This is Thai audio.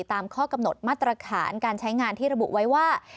ตามข้อกำหนดมาตรฐานการใช้งานที่ระบุไว้ว่า